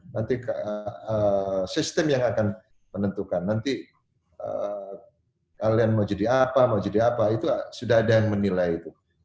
nanti sistem yang akan menentukan nanti kalian mau jadi apa mau jadi apa itu sudah ada yang menilai itu